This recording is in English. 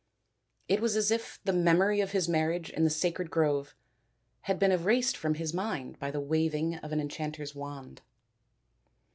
It was as if the memory of his marriage in the sacred grove had been erased from his mind by the waving of an enchanter's wand.